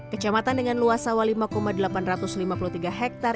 kecamatan dengan luas sawah lima delapan ratus lima puluh tiga hektare